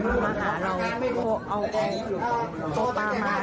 คือพวกเรามาและเราเอาพวกป่ามา